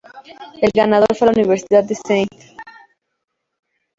El ganador fue la Universidad de St.